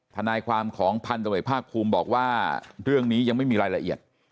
ทนายความของพันธบทภาคภูมิบอกว่าเรื่องนี้ยังไม่มีรายละเอียด